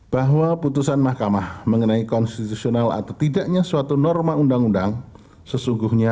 bahwa putusan mahkamah mengenai konstitusional atau perubahan pendiriannya